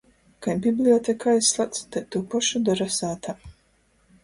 Kai biblioteku aizslādz, tai tū pošu dora sātā.